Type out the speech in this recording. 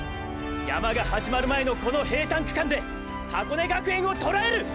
山が始まる前のこの平坦区間で箱根学園をとらえる！！